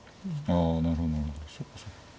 ああなるほど。